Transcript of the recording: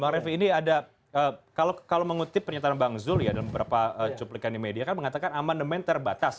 bang refli ini ada kalau mengutip pernyataan bang zul ya dalam beberapa cuplikan di media kan mengatakan amandemen terbatas